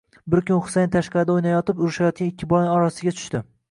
Bir kun Xusayin tashqarida o'ynayotib, urishayotgan ikki bolaning orasiga tushdi.